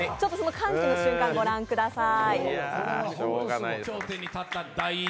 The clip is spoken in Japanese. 歓喜の瞬間をご覧ください。